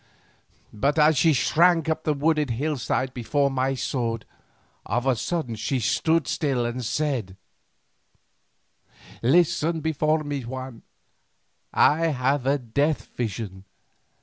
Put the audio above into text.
But as she shrank up the wooded hillside before my sword, of a sudden she stood still and said: "'Listen before you smite, Juan. I have a death vision.